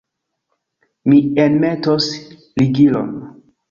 Mi enmetos ligilon.